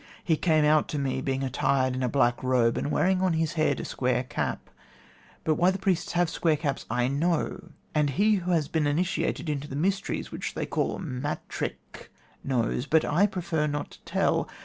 He came out to me, being attired in a black robe, and wearing on his head a square cap. But why the priests have square caps I know, and he who has been initiated into the mysteries which they call 'Matric' knows, but I prefer not to tell.